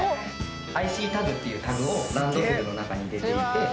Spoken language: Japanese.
ＩＣタグっていうタグをランドセルの中に入れていて。